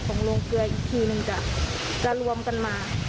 ของโรงเครืออีกทีหนึ่งจะรวมกันมา